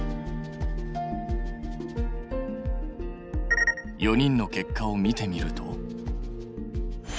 ４人の結果を見てみると。